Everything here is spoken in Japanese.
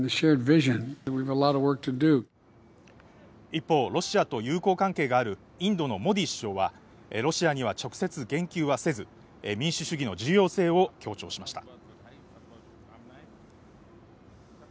一方、ロシアと友好関係があるインドのモディ首相はロシアには直接言及はせず、民主主義の重要性を強調しました。